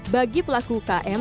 bagi pelaku ukm